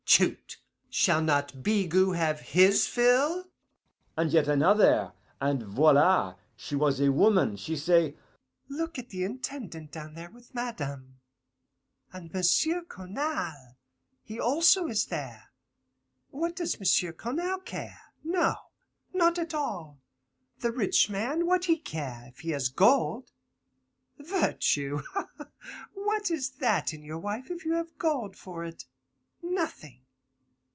Chut! shall not Bigot have his fill?' And yet another, and voila, she was a woman, she say, 'Look at the Intendant down there with madame. And M'sieu' Cournal, he also is there. What does M'sieu' Cournal care? No, not at all. The rich man, what he care, if he has gold? Virtue! ha, ha! what is that in your wife if you have gold for it? Nothing.